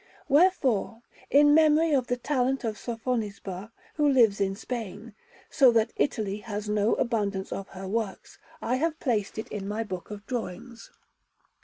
Wherefore, in memory of the talent of Sofonisba, who lives in Spain, so that Italy has no abundance of her works, I have placed it in my book of drawings.